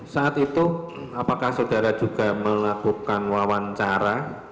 saat itu apakah saudara juga melakukan wawancara